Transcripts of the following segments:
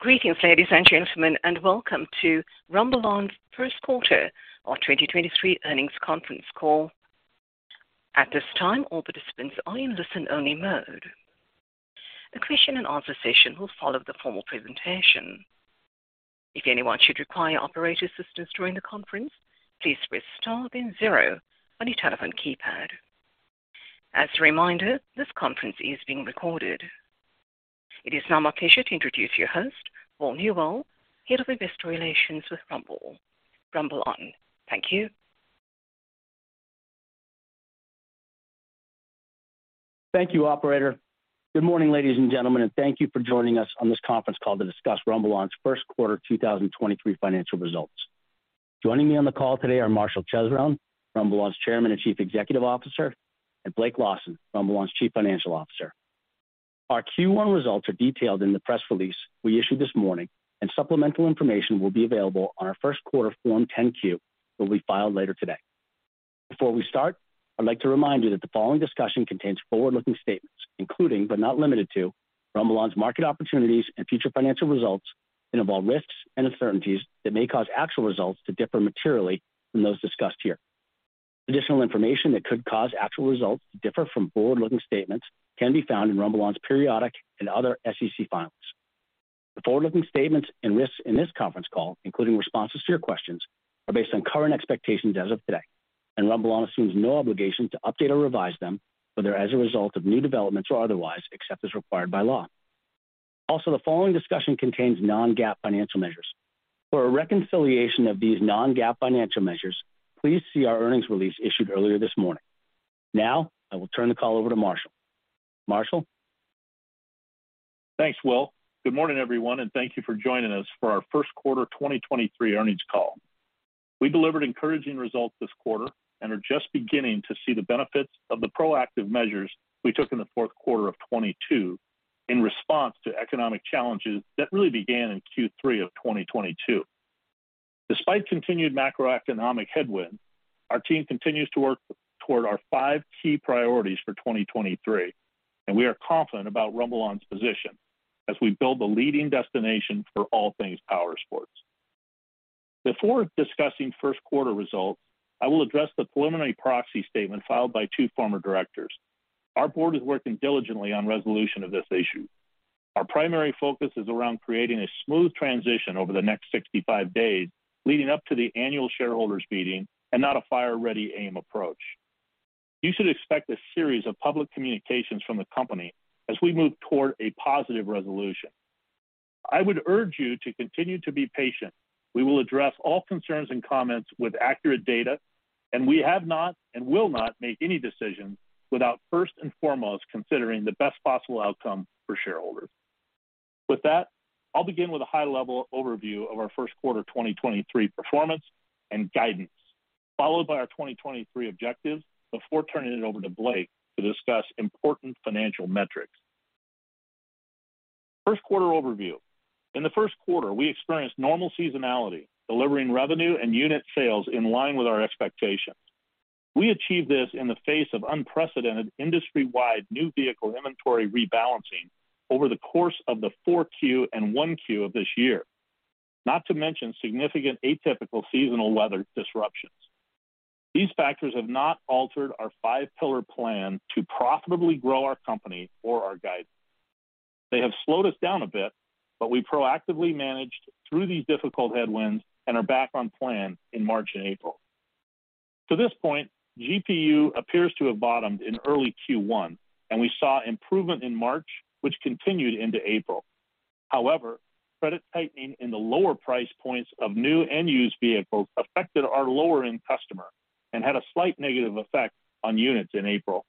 Greetings, ladies and gentlemen, and welcome to RumbleON's 1st quarter of 2023 earnings conference call. At this time, all participants are in listen-only mode. A question and answer session will follow the formal presentation. If anyone should require operator assistance during the conference, please press star then zero on your telephone keypad. As a reminder, this conference is being recorded. It is now my pleasure to introduce your host, Will Newell, Head of Investor Relations with RumbleON. Thank you. Thank you, operator. Good morning, ladies and gentlemen, and thank you for joining us on this conference call to discuss RumbleON's 1st 2023 financial results. Joining me on the call today are Marshall Chesrown, RumbleON's Chairman and Chief Executive Officer, and Blake Lawson, RumbleON's Chief Financial Officer. Our Q1 results are detailed in the press release we issued this morning and supplemental information will be available on our 1st quarter Form 10-Q that will be filed later today. Before we start, I'd like to remind you that the following discussion contains forward-looking statements, including, but not limited to, RumbleON's market opportunities and future financial results, and involve risks and uncertainties that may cause actual results to differ materially from those discussed here. Additional information that could cause actual results to differ from forward-looking statements can be found in RumbleON's periodic and other SEC filings. The forward-looking statements and risks in this conference call, including responses to your questions, are based on current expectations as of today. RumbleON assumes no obligation to update or revise them, whether as a result of new developments or otherwise, except as required by law. Also, the following discussion contains non-GAAP financial measures. For a reconciliation of these non-GAAP financial measures, please see our earnings release issued earlier this morning. Now, I will turn the call over to Marshall. Thanks, Will. Good morning, everyone. Thank you for joining us for our 1st quarter 2023 earnings call. We delivered encouraging results this quarter and are just beginning to see the benefits of the proactive measures we took in the 4th quarter of 2022 in response to economic challenges that really began in Q3 of 2022. Despite continued macroeconomic headwinds, our team continues to work toward our 5 key priorities for 2023. We are confident about RumbleON's position as we build the leading destination for all things powersports. Before discussing 1st quarter results, I will address the preliminary proxy statement filed by two former directors. Our board is working diligently on resolution of this issue. Our primary focus is around creating a smooth transition over the next 65 days leading up to the annual shareholders meeting, not a fire, ready, aim approach. You should expect a series of public communications from the company as we move toward a positive resolution. I would urge you to continue to be patient. We will address all concerns and comments with accurate data, and we have not and will not make any decisions without first and foremost considering the best possible outcome for shareholders. With that, I'll begin with a high-level overview of our 1st quarter 2023 performance and guidance, followed by our 2023 objectives before turning it over to Blake to discuss important financial metrics. First quarter overview. In the 1st quarter, we experienced normal seasonality, delivering revenue and unit sales in line with our expectations. We achieved this in the face of unprecedented industry-wide new vehicle inventory rebalancing over the course of the 4Q and 1Q of this year. Not to mention significant atypical seasonal weather disruptions. These factors have not altered our five-pillar plan to profitably grow our company or our guidance. They have slowed us down a bit, but we proactively managed through these difficult headwinds and are back on plan in March and April. To this point, GPU appears to have bottomed in early Q1, and we saw improvement in March, which continued into April. However, credit tightening in the lower price points of new and used vehicles affected our lower-end customer and had a slight negative effect on units in April.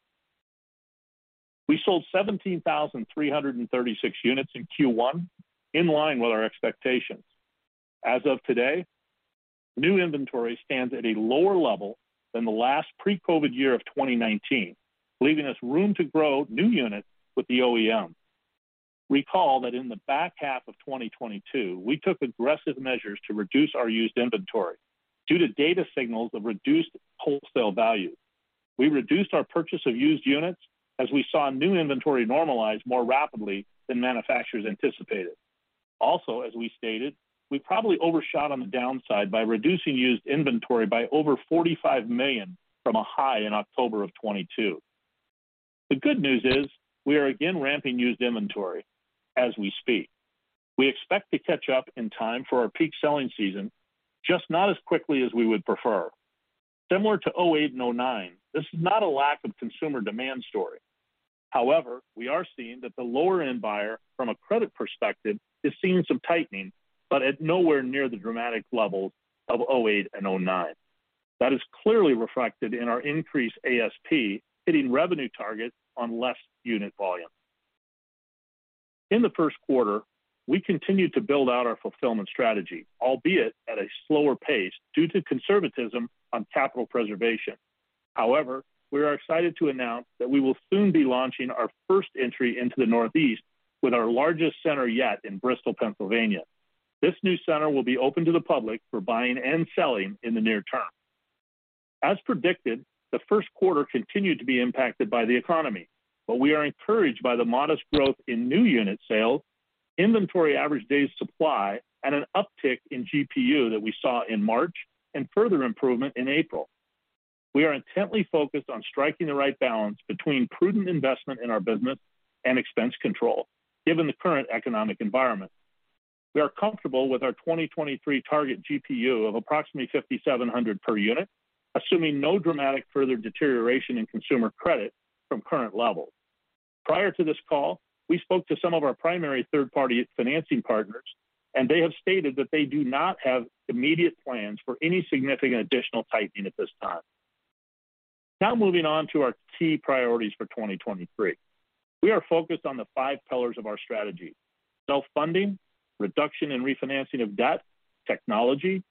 We sold 17,336 units in Q1, in line with our expectations. As of today, new inventory stands at a lower level than the last pre-COVID year of 2019, leaving us room to grow new units with the OEM. Recall that in the back half of 2022, we took aggressive measures to reduce our used inventory due to data signals of reduced wholesale value. We reduced our purchase of used units as we saw new inventory normalize more rapidly than manufacturers anticipated. As we stated, we probably overshot on the downside by reducing used inventory by over $45 million from a high in October of 2022. The good news is we are again ramping used inventory as we speak. We expect to catch up in time for our peak selling season, just not as quickly as we would prefer. Similar to '08 and '09, this is not a lack of consumer demand story. We are seeing that the lower-end buyer from a credit perspective is seeing some tightening, but at nowhere near the dramatic levels of '08 and '09. That is clearly reflected in our increased ASP hitting revenue targets on less unit volume. In the 1st quarter, we continued to build out our fulfillment strategy, albeit at a slower pace due to conservatism on capital preservation. However, we are excited to announce that we will soon be launching our first entry into the Northeast with our largest center yet in Bristol, Pennsylvania. This new center will be open to the public for buying and selling in the near term. As predicted, the 1st quarter continued to be impacted by the economy. We are encouraged by the modest growth in new unit sales, inventory average days supply, and an uptick in GPU that we saw in March and further improvement in April. We are intently focused on striking the right balance between prudent investment in our business and expense control given the current economic environment. We are comfortable with our 2023 target GPU of approximately $5,700 per unit, assuming no dramatic further deterioration in consumer credit from current levels. Prior to this call, we spoke to some of our primary third-party financing partners, and they have stated that they do not have immediate plans for any significant additional tightening at this time. Moving on to our key priorities for 2023. We are focused on the five pillars of our strategy: self-funding, reduction and refinancing of debt, technology,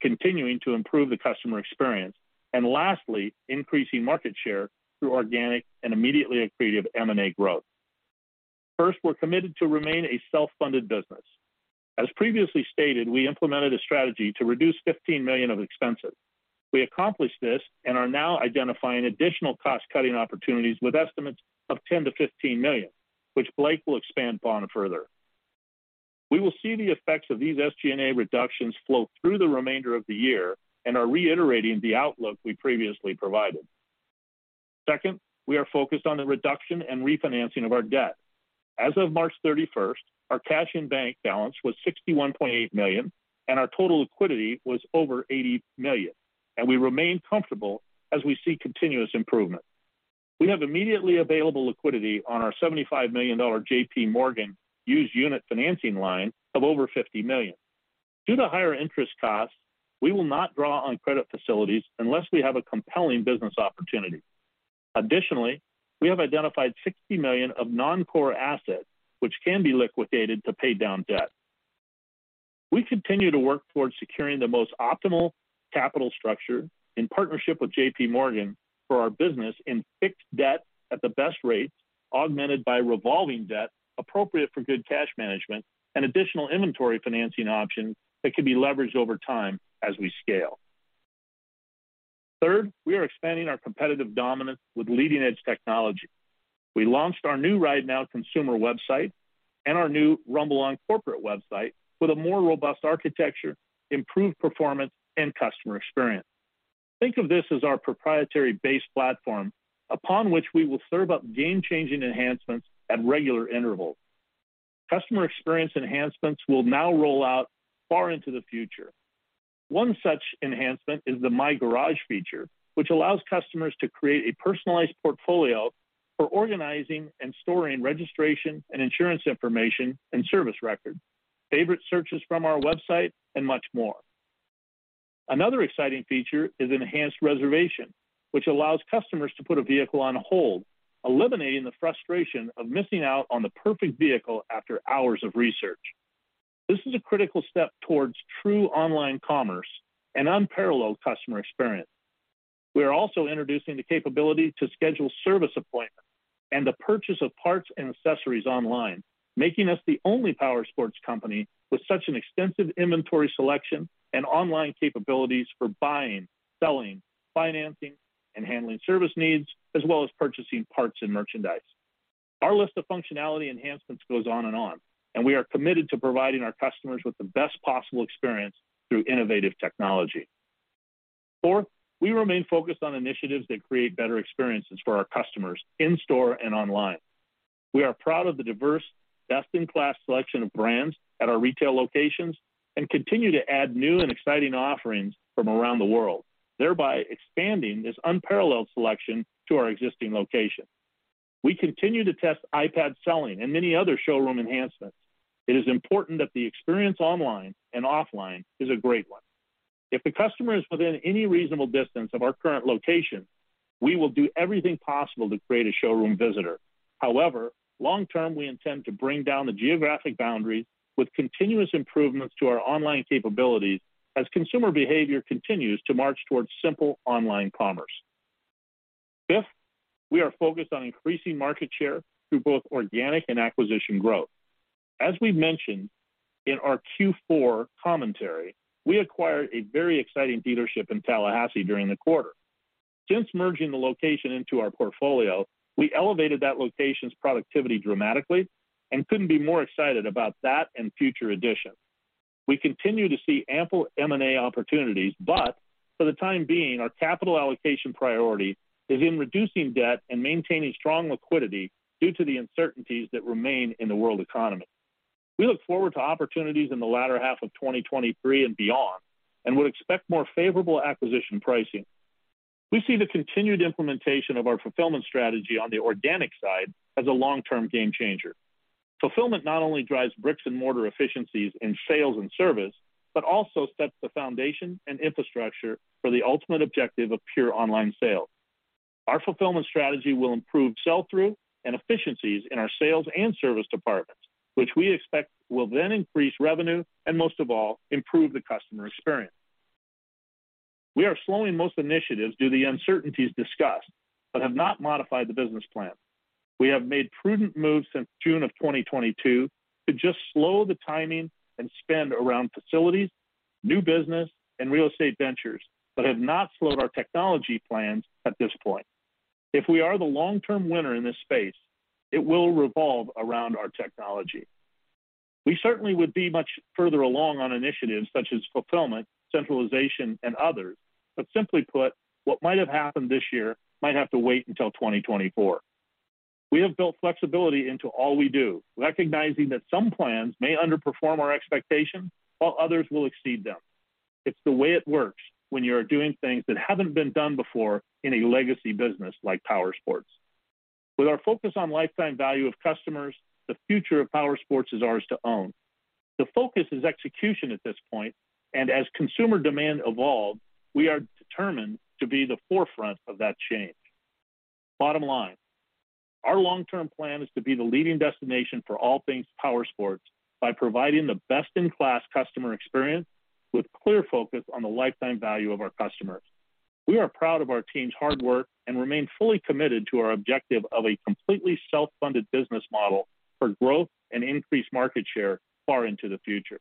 continuing to improve the customer experience, and lastly, increasing market share through organic and immediately accretive M&A growth. We're committed to remain a self-funded business. As previously stated, we implemented a strategy to reduce $15 million of expenses. We accomplished this and are now identifying additional cost-cutting opportunities with estimates of $10 million-$15 million, which Blake will expand upon further. We will see the effects of these SG&A reductions flow through the remainder of the year and are reiterating the outlook we previously provided. Second, we are focused on the reduction and refinancing of our debt. As of March 31st, our cash in bank balance was $61.8 million, and our total liquidity was over $80 million, and we remain comfortable as we see continuous improvement. We have immediately available liquidity on our $75 million JPMorgan used unit financing line of over $50 million. Due to higher interest costs, we will not draw on credit facilities unless we have a compelling business opportunity. Additionally, we have identified $60 million of non-core assets which can be liquidated to pay down debt. We continue to work towards securing the most optimal capital structure in partnership with JPMorgan for our business in fixed debt at the best rates, augmented by revolving debt appropriate for good cash management and additional inventory financing options that can be leveraged over time as we scale. Third, we are expanding our competitive dominance with leading-edge technology. We launched our new RideNow consumer website and our new RumbleON corporate website with a more robust architecture, improved performance, and customer experience. Think of this as our proprietary base platform upon which we will serve up game-changing enhancements at regular intervals. Customer experience enhancements will now roll out far into the future. One such enhancement is the My Garage feature, which allows customers to create a personalized portfolio for organizing and storing registration and insurance information and service records, favorite searches from our website, and much more. Another exciting feature is enhanced reservation, which allows customers to put a vehicle on hold, eliminating the frustration of missing out on the perfect vehicle after hours of research. This is a critical step towards true online commerce and unparalleled customer experience. We are also introducing the capability to schedule service appointments and the purchase of parts and accessories online, making us the only powersports company with such an extensive inventory selection and online capabilities for buying, selling, financing, and handling service needs, as well as purchasing parts and merchandise. Our list of functionality enhancements goes on and on. We are committed to providing our customers with the best possible experience through innovative technology. 4. We remain focused on initiatives that create better experiences for our customers in-store and online. We are proud of the diverse, best-in-class selection of brands at our retail locations and continue to add new and exciting offerings from around the world, thereby expanding this unparalleled selection to our existing locations. We continue to test iPad selling and many other showroom enhancements. It is important that the experience online and offline is a great one. If the customer is within any reasonable distance of our current location, we will do everything possible to create a showroom visitor. However, long-term, we intend to bring down the geographic boundaries with continuous improvements to our online capabilities as consumer behavior continues to march towards simple online commerce. Fifth, we are focused on increasing market share through both organic and acquisition growth. As we mentioned in our Q4 commentary, we acquired a very exciting dealership in Tallahassee during the quarter. Since merging the location into our portfolio, we elevated that location's productivity dramatically and couldn't be more excited about that and future additions. We continue to see ample M&A opportunities, but for the time being, our capital allocation priority is in reducing debt and maintaining strong liquidity due to the uncertainties that remain in the world economy. We look forward to opportunities in the latter half of 2023 and beyond and would expect more favorable acquisition pricing. We see the continued implementation of our fulfillment strategy on the organic side as a long-term game-changer. Fulfillment not only drives bricks-and-mortar efficiencies in sales and service but also sets the foundation and infrastructure for the ultimate objective of pure online sales. Our fulfillment strategy will improve sell-through and efficiencies in our sales and service departments, which we expect will then increase revenue and most of all, improve the customer experience. We are slowing most initiatives due to the uncertainties discussed but have not modified the business plan. We have made prudent moves since June of 2022 to just slow the timing and spend around facilities, new business and real estate ventures, but have not slowed our technology plans at this point. If we are the long-term winner in this space, it will revolve around our technology. We certainly would be much further along on initiatives such as fulfillment, centralization and others, but simply put, what might have happened this year might have to wait until 2024. We have built flexibility into all we do, recognizing that some plans may underperform our expectations while others will exceed them. It's the way it works when you are doing things that haven't been done before in a legacy business like powersports. With our focus on lifetime value of customers, the future of powersports is ours to own. The focus is execution at this point. As consumer demand evolves, we are determined to be the forefront of that change. Bottom line, our long-term plan is to be the leading destination for all things powersports by providing the best-in-class customer experience with clear focus on the lifetime value of our customers. We are proud of our team's hard work and remain fully committed to our objective of a completely self-funded business model for growth and increased market share far into the future.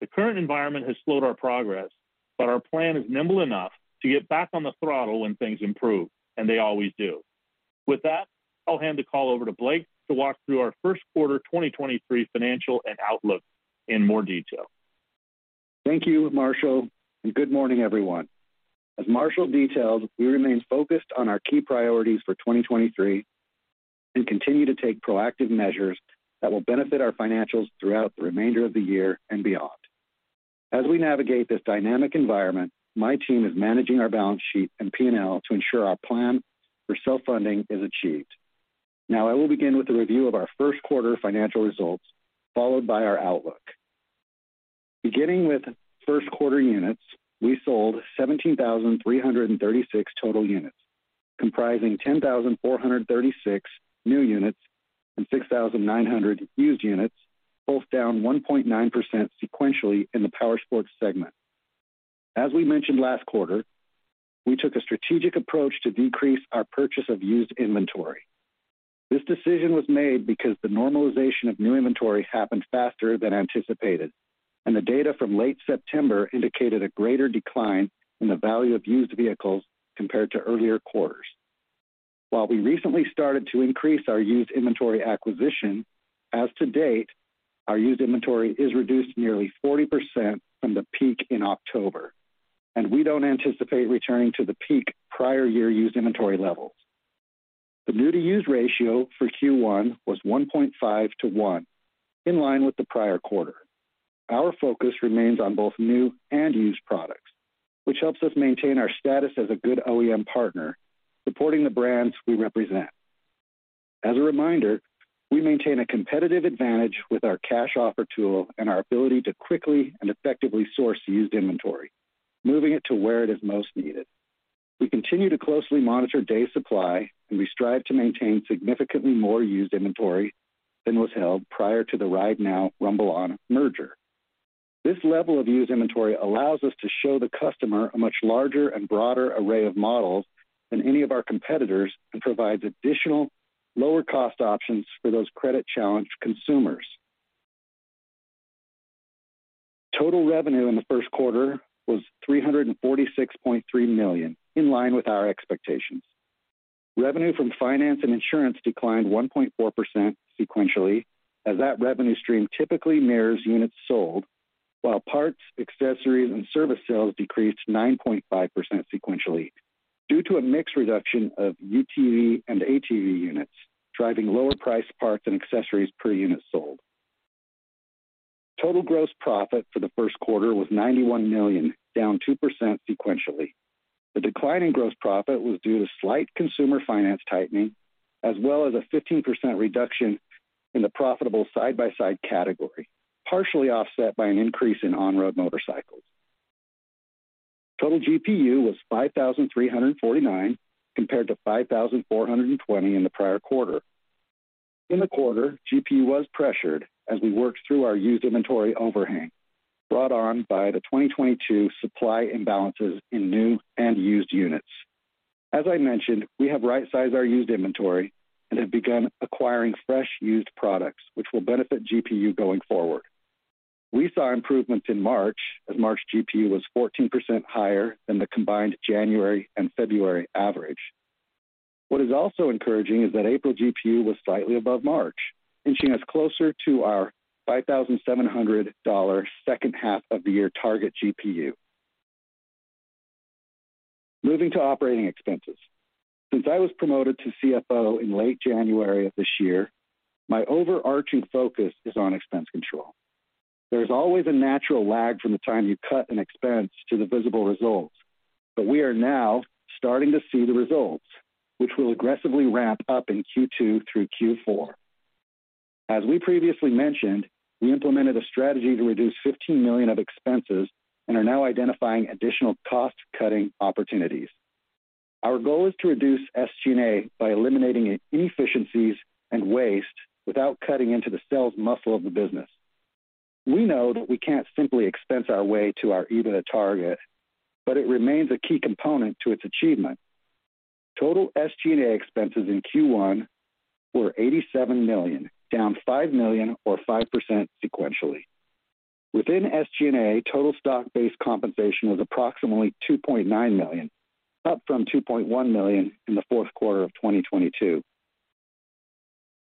The current environment has slowed our progress. Our plan is nimble enough to get back on the throttle when things improve. They always do. With that, I'll hand the call over to Blake to walk through our 1st quarter 2023 financial and outlook in more detail. Thank you, Marshall. Good morning, everyone. As Marshall detailed, we remain focused on our key priorities for 2023 and continue to take proactive measures that will benefit our financials throughout the remainder of the year and beyond. As we navigate this dynamic environment, my team is managing our balance sheet and P&L to ensure our plan for self-funding is achieved. I will begin with a review of our 1st quarter financial results, followed by our outlook. Beginning with 1st quarter units, we sold 17,336 total units, comprising 10,436 new units and 6,900 used units, both down 1.9 sequentially in the powersports segment. As we mentioned last quarter, we took a strategic approach to decrease our purchase of used inventory. This decision was made because the normalization of new inventory happened faster than anticipated, and the data from late September indicated a greater decline in the value of used vehicles compared to earlier quarters. While we recently started to increase our used inventory acquisition, as to date, our used inventory is reduced nearly 40% from the peak in October, and we don't anticipate returning to the peak prior year used inventory levels. The new-to-used ratio for Q1 was 1.5 to 1, in line with the prior quarter. Our focus remains on both new and used products, which helps us maintain our status as a good OEM partner, supporting the brands we represent. As a reminder, we maintain a competitive advantage with our cash offer tool and our ability to quickly and effectively source used inventory, moving it to where it is most needed. We continue to closely monitor day supply, we strive to maintain significantly more used inventory than was held prior to the RideNow/RumbleON merger. This level of used inventory allows us to show the customer a much larger and broader array of models than any of our competitors and provides additional lower-cost options for those credit-challenged consumers. Total revenue in the 1st quarter was $346.3 million, in line with our expectations. Revenue from finance and insurance declined 1.4% sequentially, as that revenue stream typically mirrors units sold, while parts, accessories, and service sales decreased 9.5% sequentially due to a mix reduction of UTV and ATV units, driving lower-priced parts and accessories per unit sold. Total gross profit for the 1st quarter was $91 million, down 2% sequentially. The decline in gross profit was due to slight consumer finance tightening, as well as a 15% reduction in the profitable side-by-side category, partially offset by an increase in on-road motorcycles. Total GPU was $5,349 compared to $5,420 in the prior quarter. In the quarter, GPU was pressured as we worked through our used inventory overhang brought on by the 2022 supply imbalances in new and used units. As I mentioned, we have rightsized our used inventory and have begun acquiring fresh used products which will benefit GPU going forward. We saw improvements in March, as March GPU was 14% higher than the combined January and February average. What is also encouraging is that April GPU was slightly above March, inching us closer to our $5,700 second half of the year target GPU. Moving to operating expenses. Since I was promoted to CFO in late January of this year, my overarching focus is on expense control. There's always a natural lag from the time you cut an expense to the visible results, we are now starting to see the results, which will aggressively ramp up in Q2 through Q4. As we previously mentioned, we implemented a strategy to reduce $15 million of expenses and are now identifying additional cost-cutting opportunities. Our goal is to reduce SG&A by eliminating inefficiencies and waste without cutting into the sales muscle of the business. We know that we can't simply expense our way to our EBITDA target, it remains a key component to its achievement. Total SG&A expenses in Q1 were $87 million, down $5 million or 5% sequentially. Within SG&A, total stock-based compensation was approximately $2.9 million, up from $2.1 million in the 4th quarter of 2022.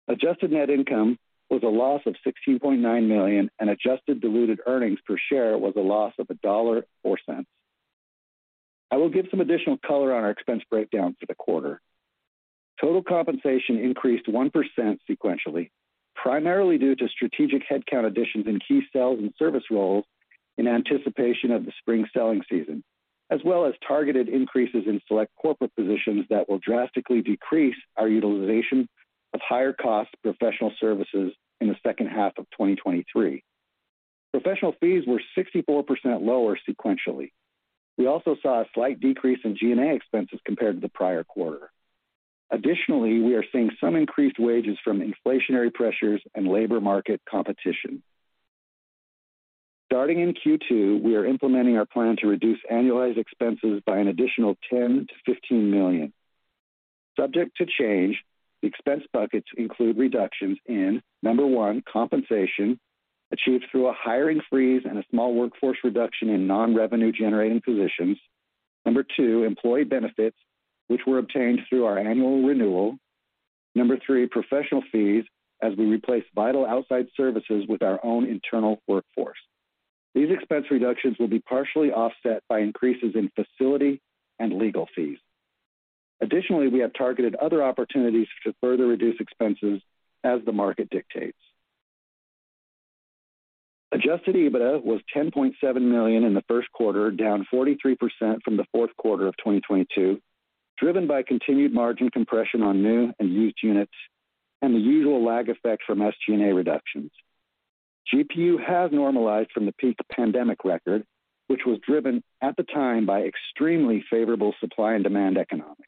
Adjusted net income was a loss of $16.9 million, and adjusted diluted earnings per share was a loss of $1.04. I will give some additional color on our expense breakdown for the quarter. Total compensation increased 1% sequentially, primarily due to strategic headcount additions in key sales and service roles in anticipation of the spring selling season, as well as targeted increases in select corporate positions that will drastically decrease our utilization of higher cost professional services in the second half of 2023. Professional fees were 64% lower sequentially. We also saw a slight decrease in G&A expenses compared to the prior quarter. Additionally, we are seeing some increased wages from inflationary pressures and labor market competition. Starting in Q2, we are implementing our plan to reduce annualized expenses by an additional $10 million-$15 million. Subject to change, the expense buckets include reductions in, number one, compensation, achieved through a hiring freeze and a small workforce reduction in non-revenue generating positions. Number two, employee benefits, which were obtained through our annual renewal. Number three, professional fees, as we replace vital outside services with our own internal workforce. These expense reductions will be partially offset by increases in facility and legal fees. We have targeted other opportunities to further reduce expenses as the market dictates. Adjusted EBITDA was $10.7 million in the 1st quarter, down 43% from the 4th quarter of 2022, driven by continued margin compression on new and used units and the usual lag effect from SG&A reductions. GPU has normalized from the peak pandemic record, which was driven at the time by extremely favorable supply and demand economics.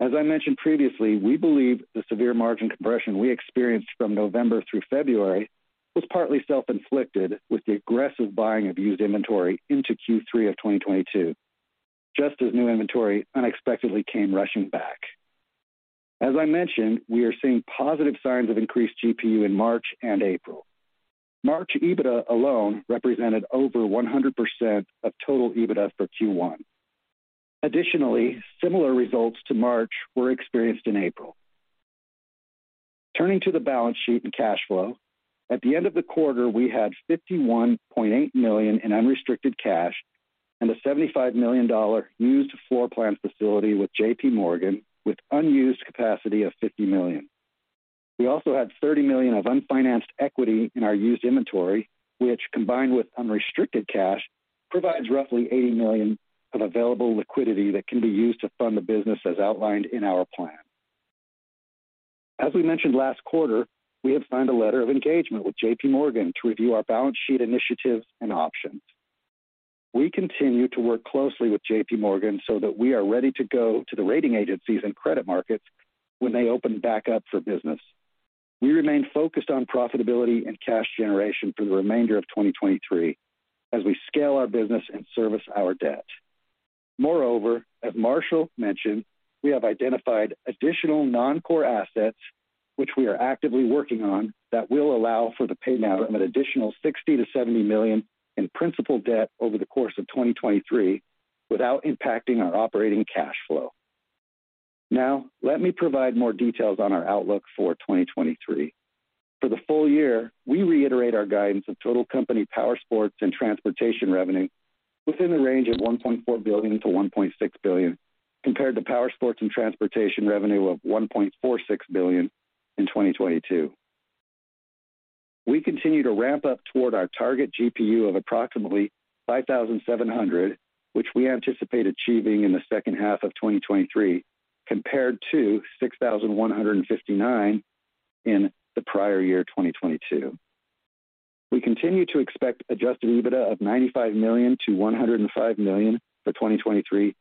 I mentioned previously, we believe the severe margin compression we experienced from November through February was partly self-inflicted with the aggressive buying of used inventory into Q3 of 2022, just as new inventory unexpectedly came rushing back. I mentioned, we are seeing positive signs of increased GPU in March and April. March EBITDA alone represented over 100% of total EBITDA for Q1. Similar results to March were experienced in April. Turning to the balance sheet and cash flow. At the end of the quarter, we had $51.8 million in unrestricted cash and a $75 million used floor plan facility with JPMorgan with unused capacity of $50 million. We also had $30 million of unfinanced equity in our used inventory, which, combined with unrestricted cash, provides roughly $80 million of available liquidity that can be used to fund the business as outlined in our plan. As we mentioned last quarter, we have signed a letter of engagement with JP Morgan to review our balance sheet initiatives and options. We continue to work closely with JP Morgan so that we are ready to go to the rating agencies and credit markets when they open back up for business. We remain focused on profitability and cash generation for the remainder of 2023 as we scale our business and service our debt. Moreover, as Marshall mentioned, we have identified additional non-core assets which we are actively working on that will allow for the pay down of an additional $60 million-$70 million in principal debt over the course of 2023 without impacting our operating cash flow. Let me provide more details on our outlook for 2023. For the full year, we reiterate our guidance of total company powersports and transportation revenue within the range of $1.4 billion-$1.6 billion, compared to powersports and transportation revenue of $1.46 billion in 2022. We continue to ramp up toward our target GPU of approximately 5,700, which we anticipate achieving in the second half of 2023, compared to 6,159 in the prior year, 2022. We continue to expect Adjusted EBITDA of $95 million-$105 million for 2023,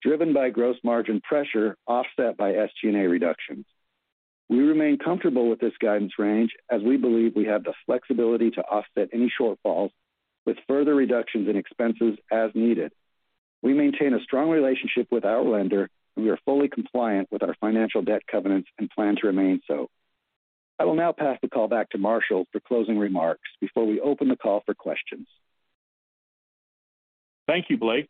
driven by gross margin pressure offset by SG&A reductions. We remain comfortable with this guidance range as we believe we have the flexibility to offset any shortfalls with further reductions in expenses as needed. We maintain a strong relationship with our lender. We are fully compliant with our financial debt covenants and plan to remain so. I will now pass the call back to Marshall for closing remarks before we open the call for questions. Thank you, Blake.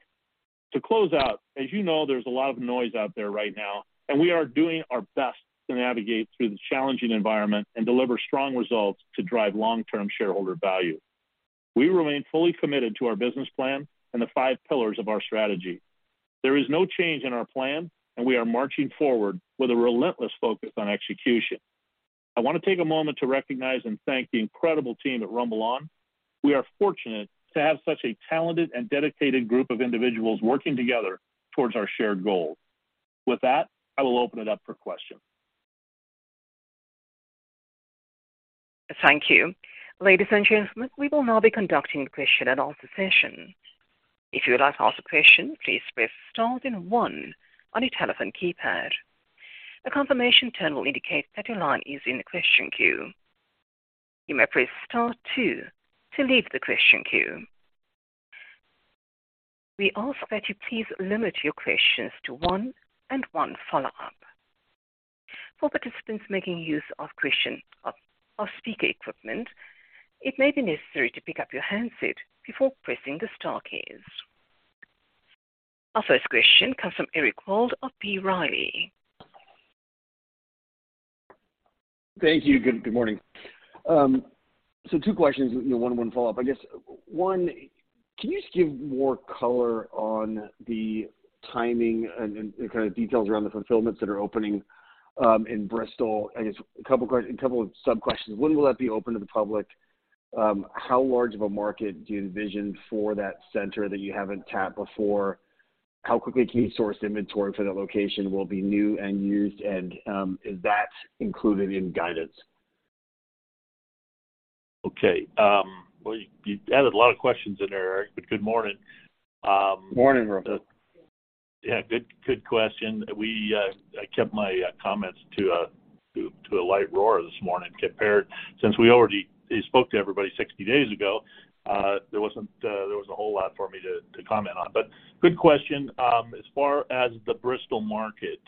To close out, as you know, there's a lot of noise out there right now, and we are doing our best to navigate through the challenging environment and deliver strong results to drive long-term shareholder value. We remain fully committed to our business plan and the five pillars of our strategy. There is no change in our plan, and we are marching forward with a relentless focus on execution. I wanna take a moment to recognize and thank the incredible team at RumbleON. We are fortunate to have such a talented and dedicated group of individuals working together towards our shared goals. With that, I will open it up for questions. Thank you. Ladies and gentlemen, we will now be conducting the question and answer session. If you would like to ask a question, please press star then one on your telephone keypad. A confirmation tone will indicate that your line is in the question queue. You may press star 2 to leave the question queue. We ask that you please limit your questions to 1 and 1 follow-up. For participants making use of question or speaker equipment, it may be necessary to pick up your handset before pressing the star keys. Our first question comes from Eric Wold of B. Riley. Thank you. Good morning. Two questions, you know, one follow-up. I guess, one, can you just give more color on the timing and the kind of details around the fulfillments that are opening in Bristol? I guess a couple of sub-questions. When will that be open to the public? How large of a market do you envision for that center that you haven't tapped before? How quickly can you source inventory for the location, will it be new and used, and is that included in guidance? Okay. well, you added a lot of questions in there, Eric, good morning. Morning, Rob. Yeah, good question. We, I kept my comments to a light roar this morning compared. Since we already spoke to everybody 60 days ago, there wasn't a whole lot for me to comment on. Good question. As far as the Bristol market,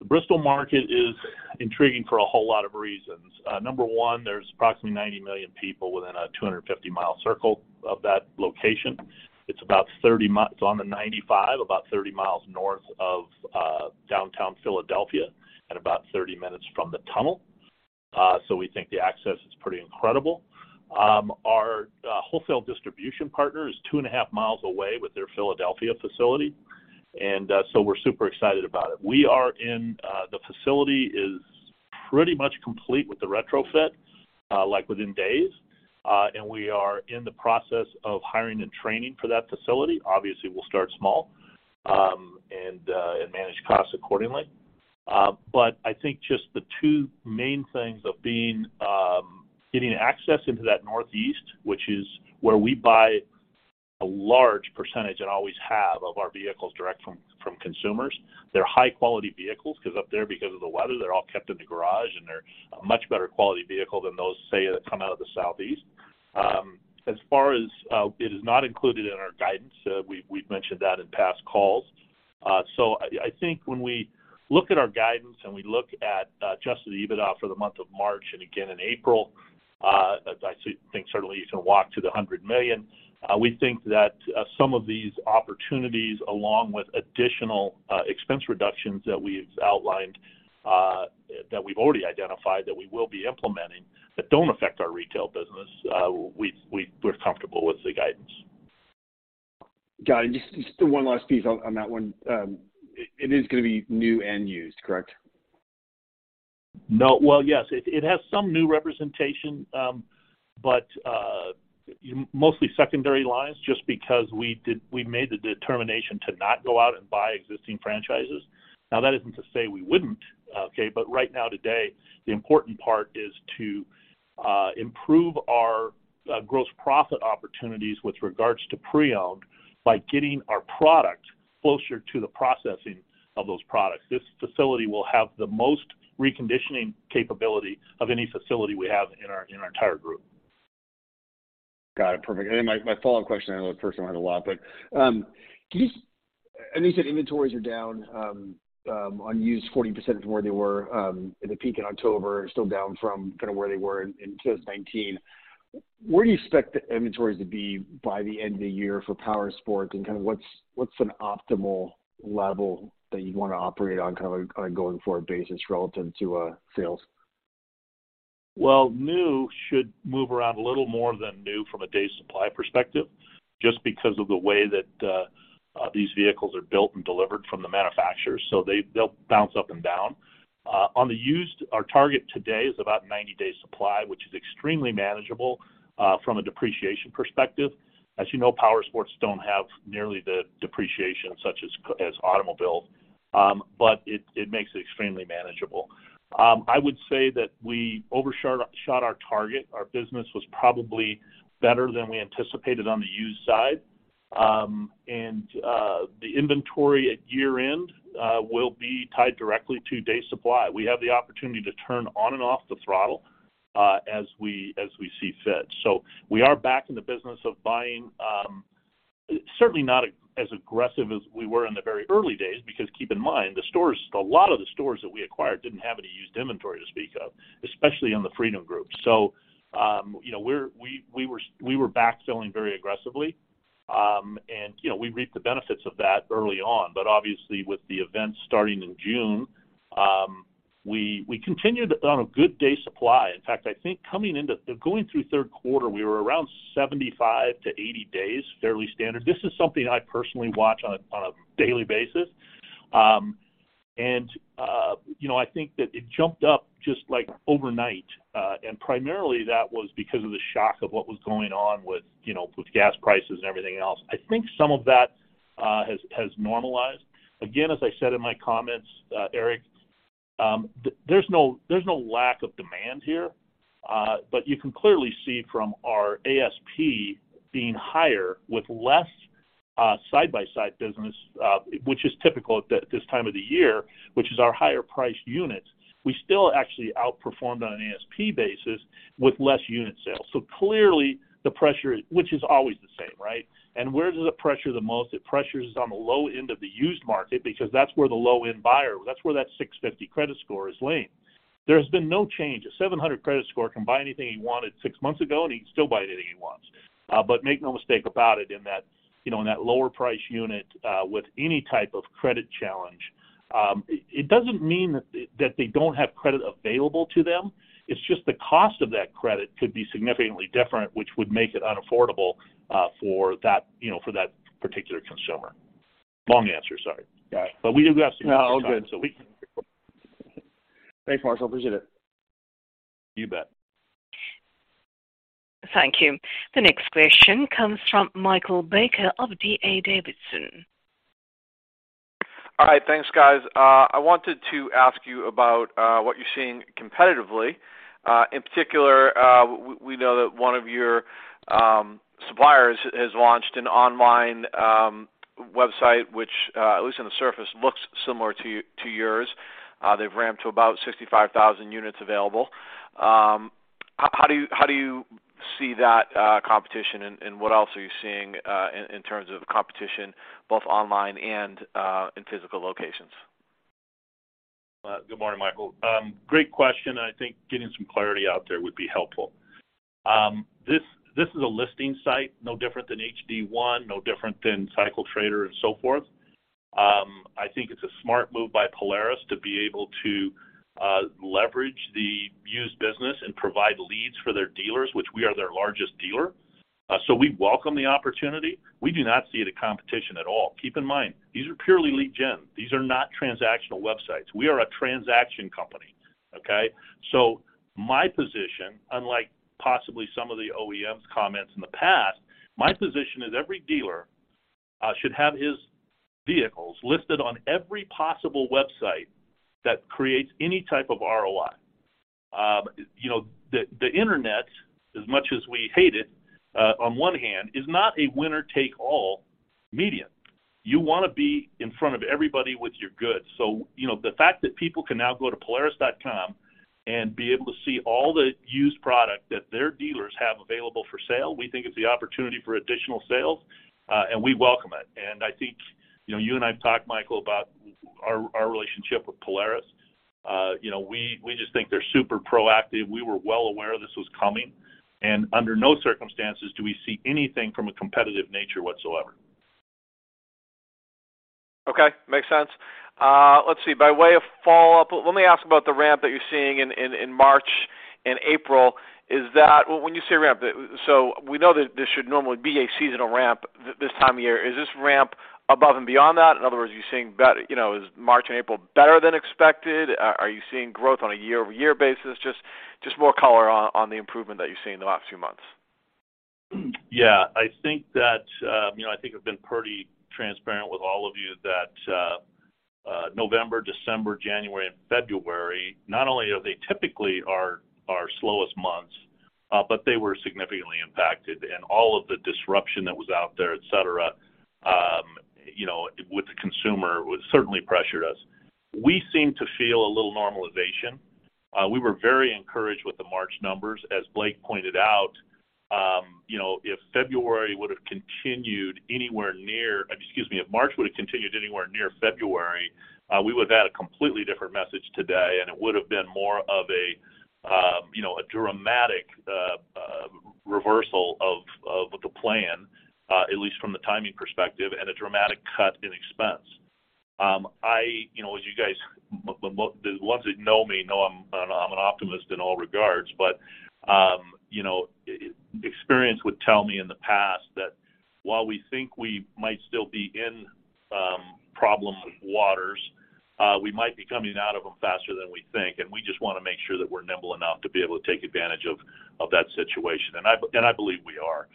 the Bristol market is intriguing for a whole lot of reasons. Number one, there's approximately 90 million people within a 250-mile circle of that location. It's on the 95, about 30 miles north of downtown Philadelphia and about 30 minutes from the tunnel. We think the access is pretty incredible. Our wholesale distribution partner is 2.5 miles away with their Philadelphia facility. We're super excited about it. We are in... The facility is pretty much complete with the retrofit, like within days, and we are in the process of hiring and training for that facility. Obviously, we'll start small, and manage costs accordingly. I think just the two main things of being, getting access into that Northeast, which is where we buy a large percentage, and always have, of our vehicles direct from consumers. They're high-quality vehicles 'cause up there, because of the weather, they're all kept in the garage, and they're a much better quality vehicle than those, say, that come out of the Southeast. As far as, it is not included in our guidance. We've mentioned that in past calls. I think when we look at our guidance and we look at adjusted EBITDA for the month of March and again in April, as I think certainly you can walk to the $100 million, we think that some of these opportunities, along with additional expense reductions that we've outlined, that we've already identified that we will be implementing that don't affect our retail business, we're comfortable with the guidance. Got it. Just one last piece on that one. It is gonna be new and used, correct? No. Well, yes. It has some new representation, but mostly secondary lines just because we made the determination to not go out and buy existing franchises. Now, that isn't to say we wouldn't, okay? Right now today, the important part is to improve our gross profit opportunities with regards to pre-owned by getting our product closer to the processing of those products. This facility will have the most reconditioning capability of any facility we have in our entire group. Got it. Perfect. My, my follow-up question. I know the first one had a lot, but, I know you said inventories are down, on used, 40% from where they were, in the peak in October, still down from kind of where they were in 2019. Where do you expect the inventories to be by the end of the year for powersports and kind of what's an optimal level that you'd wanna operate on kind of on a going-forward basis relative to sales? New should move around a little more than new from a days supply perspective, just because of the way that these vehicles are built and delivered from the manufacturers. They'll bounce up and down. On the used, our target today is about 90-days supply, which is extremely manageable from a depreciation perspective. As you know, powersports don't have nearly the depreciation such as automobile. It makes it extremely manageable. I would say that we overshot our target. Our business was probably better than we anticipated on the used side. The inventory at year-end will be tied directly to days supply. We have the opportunity to turn on and off the throttle as we see fit. We are back in the business of buying, certainly not as aggressive as we were in the very early days because keep in mind, the stores, a lot of the stores that we acquired didn't have any used inventory to speak of, especially in the Freedom group. You know, we were backfilling very aggressively. You know, we reaped the benefits of that early on, but obviously with the events starting in June, we continued on a good days supply. In fact, I think going through 3rd quarter, we were around 75-80 days, fairly standard. This is something I personally watch on a daily basis. You know, I think that it jumped up just, like, overnight, and primarily that was because of the shock of what was going on with, you know, with gas prices and everything else. I think some of that has normalized. Again, as I said in my comments, Eric, there's no lack of demand here. You can clearly see from our ASP being higher with less side-by-side business, which is typical at this time of the year, which is our higher priced units. We still actually outperformed on an ASP basis with less unit sales. Clearly, the pressure, which is always the same, right? Where does it pressure the most? It pressures on the low end of the used market because that's where the low-end buyer, that's where that 650 credit score is laying. There's been no change. A 700 credit score can buy anything he wanted 6 months ago. He can still buy anything he wants. Make no mistake about it in that, you know, in that lower price unit, with any type of credit challenge, it doesn't mean that they don't have credit available to them. It's just the cost of that credit could be significantly different, which would make it unaffordable, for that, you know, for that particular consumer. Long answer, sorry. Got it. we do have some- No, all good. we can- Thanks, Marshall. Appreciate it. You bet. Thank you. The next question comes from Michael Baker of D.A. Davidson. All right, thanks, guys. I wanted to ask you about what you're seeing competitively. In particular, we know that one of your suppliers has launched an online website which, at least on the surface, looks similar to yours. They've ramped to about 65,000 units available. How do you see that competition and what else are you seeing in terms of competition both online and in physical locations? Good morning, Michael Baker. Great question, I think getting some clarity out there would be helpful. This is a listing site, no different than H-D1 Marketplace, no different than Cycle Trader and so forth. I think it's a smart move by Polaris to be able to leverage the used business and provide leads for their dealers, which we are their largest dealer. We welcome the opportunity. We do not see the competition at all. Keep in mind, these are purely lead gen. These are not transactional websites. We are a transaction company, okay. My position, unlike possibly some of the OEM's comments in the past, my position is every dealer should have his vehicles listed on every possible website that creates any type of ROI. You know, the Internet, as much as we hate it, on one hand, is not a winner-take-all medium. You wanna be in front of everybody with your goods. You know, the fact that people can now go to polaris.com and be able to see all the used product that their dealers have available for sale, we think is the opportunity for additional sales, and we welcome it. I think, you know, you and I have talked, Michael, about our relationship with Polaris. You know, we just think they're super proactive. We were well aware this was coming. Under no circumstances do we see anything from a competitive nature whatsoever. Okay. Makes sense. Let's see. By way of follow-up, let me ask about the ramp that you're seeing in March and April. Is that... When you say ramp, We know that this should normally be a seasonal ramp this time of year. Is this ramp above and beyond that? In other words, are you seeing better... You know, is March and April better than expected? Are you seeing growth on a year-over-year basis? Just more color on the improvement that you're seeing in the last few months. Yeah. I think that, you know, I think I've been pretty transparent with all of you that, November, December, January, and February, not only are they typically our slowest months, but they were significantly impacted. All of the disruption that was out there, et cetera, you know, with the consumer certainly pressured us. We seem to feel a little normalization. We were very encouraged with the March numbers. As Blake pointed out, you know, if February would have continued anywhere near... Excuse me. If March would have continued anywhere near February, we would have had a completely different message today, it would have been more of a, you know, a dramatic reversal of the plan, at least from the timing perspective, and a dramatic cut in expense. I, you know, as you guys, ones that know me know I'm an optimist in all regards, but, you know, experience would tell me in the past that while we think we might still be in problem waters, we might be coming out of them faster than we think, and we just wanna make sure that we're nimble enough to be able to take advantage of that situation. I, and I believe we are.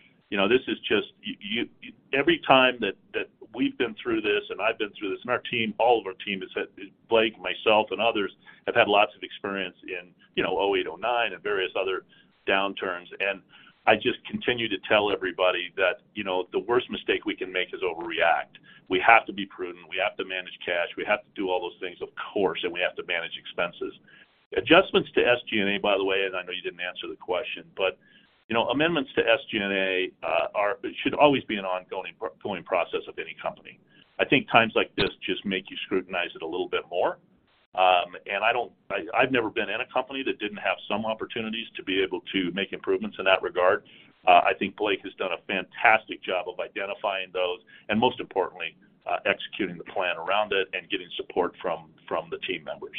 Every time that we've been through this, and I've been through this, and our team, all of our team has had, Blake, myself, and others, have had lots of experience in, you know, 2008, 2009, and various other downturns, I just continue to tell everybody that, you know, the worst mistake we can make is overreact. We have to be prudent. We have to manage cash. We have to do all those things, of course, We have to manage expenses. Adjustments to SG&A, by the way, and I know you didn't answer the question, but, you know, amendments to SG&A, should always be an ongoing process of any company. I think times like this just make you scrutinize it a little bit more. I've never been in a company that didn't have some opportunities to be able to make improvements in that regard. I think Blake has done a fantastic job of identifying those, and most importantly, executing the plan around it and getting support from the team members.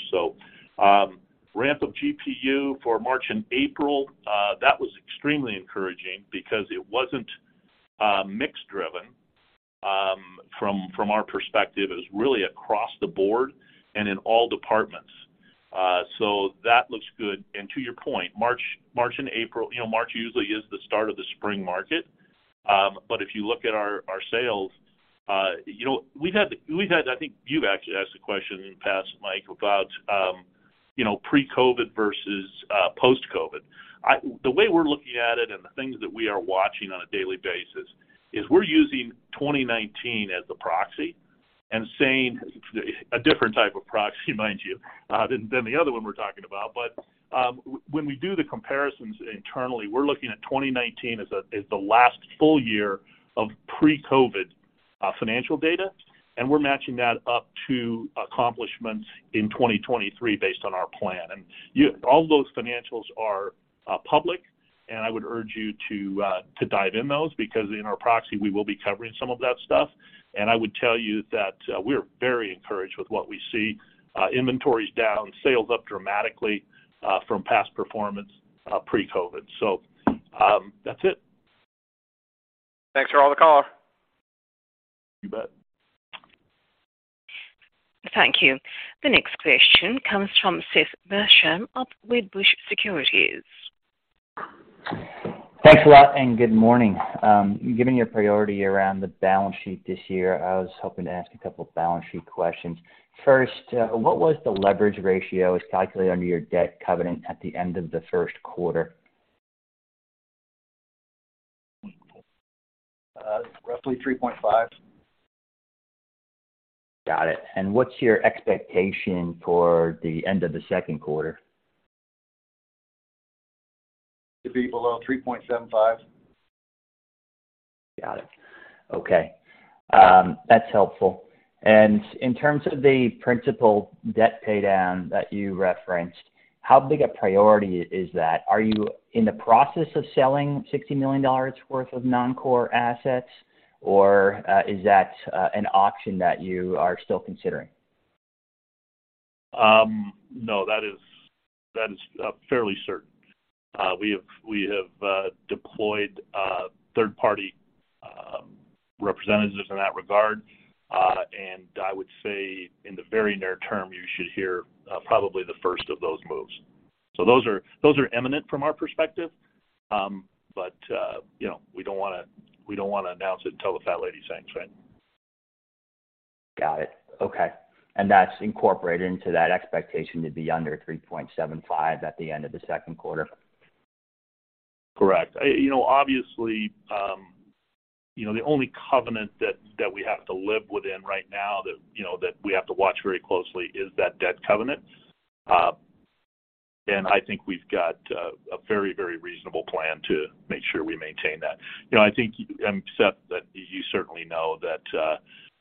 Ramp of GPU for March and April, that was extremely encouraging because it wasn't mix driven from our perspective. It was really across the board and in all departments. That looks good. To your point, March and April, you know, March usually is the start of the spring market. If you look at our sales, you know, we've had-- I think you've actually asked the question in the past, Mike, about, you know, pre-COVID versus post-COVID. The way we're looking at it and the things that we are watching on a daily basis is we're using 2019 as the proxy and saying a different type of proxy, mind you, than the other one we're talking about. When we do the comparisons internally, we're looking at 2019 as the last full year of pre-COVID financial data, and we're matching that up to accomplishments in 2023 based on our plan. All those financials are public, and I would urge you to dive in those because in our proxy we will be covering some of that stuff. I would tell you that we're very encouraged with what we see. Inventory's down, sales up dramatically from past performance pre-COVID. That's it. Thanks for all the color. You bet. Thank you. The next question comes from Seth Basham of Wedbush Securities. Thanks a lot, and good morning. Given your priority around the balance sheet this year, I was hoping to ask a couple of balance sheet questions. First, what was the leverage ratio as calculated under your debt covenant at the end of the 1st quarter? Roughly $3.5. Got it. What's your expectation for the end of the 2nd quarter? To be below 3.75. Got it. Okay. That's helpful. In terms of the principal debt pay down that you referenced, how big a priority is that? Are you in the process of selling $60 million worth of non-core assets or, is that an option that you are still considering? No, that is fairly certain. We have deployed third-party representatives in that regard. I would say in the very near term, you should hear probably the first of those moves. Those are eminent from our perspective. You know, we don't wanna announce it until the fat lady sings, right? Got it. Okay. That's incorporated into that expectation to be under $3.75 at the end of the 2nd quarter? Correct. You know, obviously, you know, the only covenant that we have to live within right now that, you know, that we have to watch very closely is that debt covenant. I think we've got a very, very reasonable plan to make sure we maintain that. You know, I think, Seth, that you certainly know that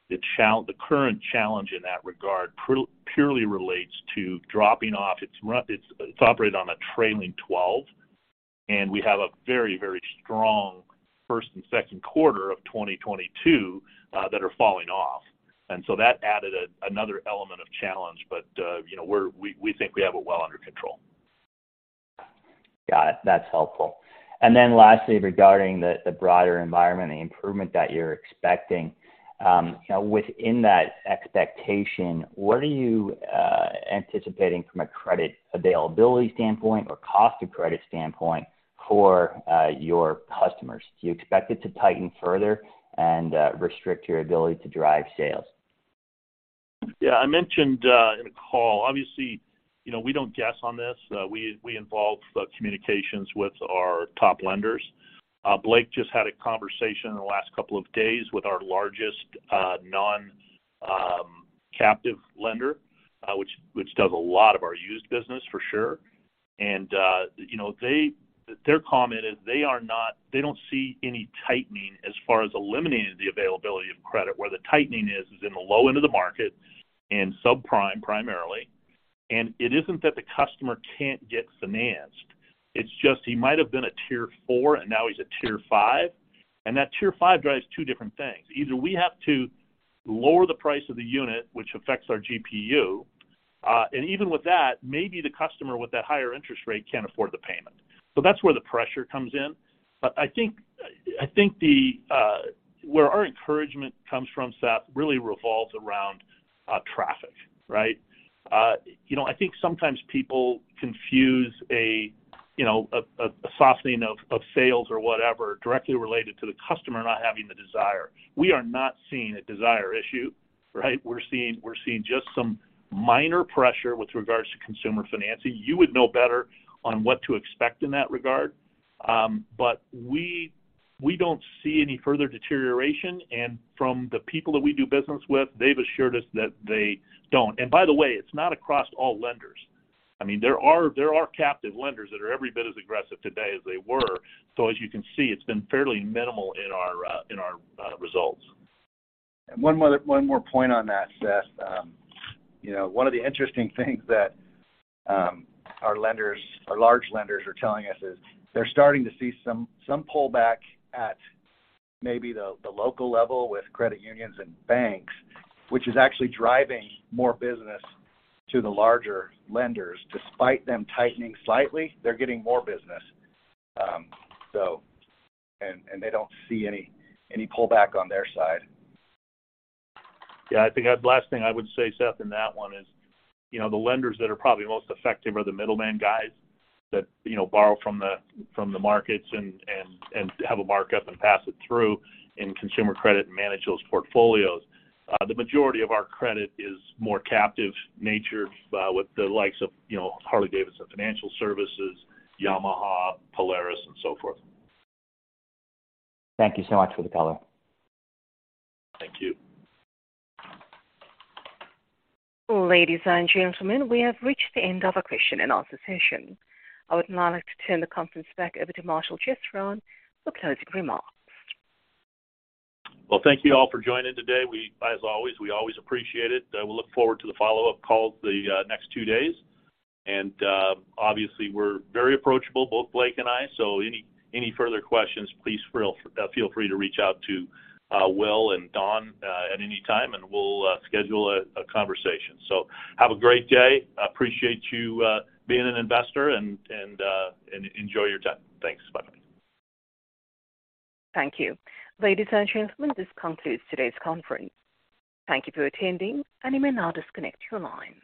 the current challenge in that regard purely relates to dropping off. It's operated on a trailing twelve, we have a very, very strong first and 2nd quarter of 2022 that are falling off. That added another element of challenge. You know, we think we have it well under control. Got it. That's helpful. Lastly, regarding the broader environment, the improvement that you're expecting, you know, within that expectation, what are you anticipating from a credit availability standpoint or cost of credit standpoint for your customers? Do you expect it to tighten further and restrict your ability to drive sales? Yeah. I mentioned, in the call, obviously, you know, we don't guess on this. We involve communications with our top lenders. Blake just had a conversation in the last couple of days with our largest non-captive lender, which does a lot of our used business for sure. You know, their comment is they don't see any tightening as far as eliminating the availability of credit. Where the tightening is in the low end of the market and subprime primarily. It isn't that the customer can't get financed. It's just he might have been a tier four and now he's a tier five. That tier five drives two different things. Either we have to lower the price of the unit, which affects our GPU. Even with that, maybe the customer with that higher interest rate can't afford the payment. That's where the pressure comes in. I think the where our encouragement comes from, Seth, really revolves around traffic, right? You know, I think sometimes people confuse a, you know, a softening of sales or whatever directly related to the customer not having the desire. We are not seeing a desire issue, right? We're seeing just some minor pressure with regards to consumer financing. You would know better on what to expect in that regard. We don't see any further deterioration. From the people that we do business with, they've assured us that they don't. By the way, it's not across all lenders. I mean, there are captive lenders that are every bit as aggressive today as they were. As you can see, it's been fairly minimal in our results. One more point on that, Seth. You know, one of the interesting things that our lenders, our large lenders are telling us is they're starting to see some pullback at maybe the local level with credit unions and banks, which is actually driving more business to the larger lenders. Despite them tightening slightly, they're getting more business. They don't see any pullback on their side. Yeah. I think the last thing I would say, Seth, in that one is, you know, the lenders that are probably most effective are the middleman guys that, you know, borrow from the markets and have a markup and pass it through in consumer credit and manage those portfolios. The majority of our credit is more captive nature, with the likes of, you know, Harley-Davidson Financial Services, Yamaha, Polaris, and so forth. Thank you so much for the color. Thank you. Ladies and gentlemen, we have reached the end of our question and answer session. I would now like to turn the conference back over to Marshall Chesrown for closing remarks. Well, thank you all for joining today. As always, we always appreciate it. We look forward to the follow-up calls the next two days. Obviously, we're very approachable, both Blake and I. Any further questions, please feel free to reach out to Will and Don at any time and we'll schedule a conversation. Have a great day. Appreciate you being an investor and enjoy your time. Thanks. Bye. Thank you. Ladies and gentlemen, this concludes today's conference. Thank you for attending, and you may now disconnect your line.